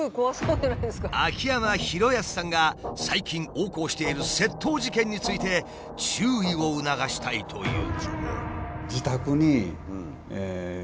秋山博康さんが最近横行している窃盗事件について注意を促したいという。